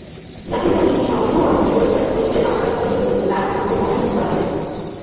জাতীয় উদ্যানটি একটি সমৃদ্ধ এবং অনন্য জীববৈচিত্র্যের আশ্রয়স্থল হিসেবে পরিচিত যা এখনো সম্পূর্ণ অনুসন্ধান করা হয়নি।